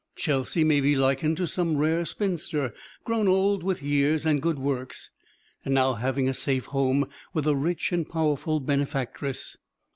Chelsea may be likened to some rare spinster, grown old with years and good works, and now having a safe home with a rich and powerful benefactress.